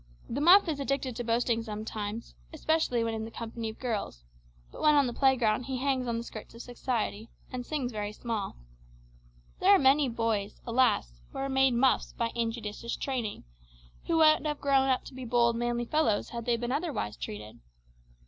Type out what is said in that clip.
The muff is addicted to boasting sometimes, especially when in the company of girls; but when on the playground he hangs on the skirts of society, and sings very small. There are many boys, alas! who are made muffs by injudicious training, who would have grown up to be bold, manly fellows had they been otherwise treated.